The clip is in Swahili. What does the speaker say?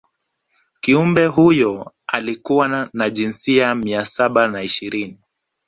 kiumbe huyo alikuwa na jinsia mia saba na ishirini